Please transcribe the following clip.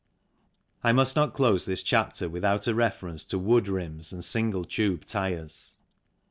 I must not close this chapter without a reference to wood rims and single tube tyres.